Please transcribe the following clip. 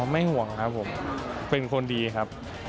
ไม่ห่วงครับผมเป็นคนดีครับ